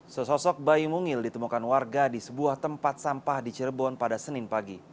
sesosok bayi mungil ditemukan warga di sebuah tempat sampah di cirebon pada senin pagi